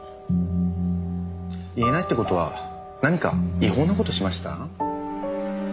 言えないって事は何か違法な事しました？